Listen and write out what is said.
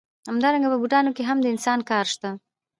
همدارنګه په بوټانو کې هم د انسان کار شته